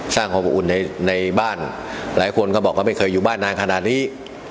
สร้างความอบอุ่นในบ้านหลายคนก็บอกว่าไม่เคยอยู่บ้านนานขนาดนี้